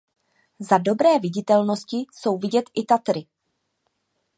Za dobré viditelnosti jsou vidět i Tatry.